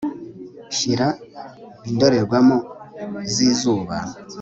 Shira indorerwamo zizuba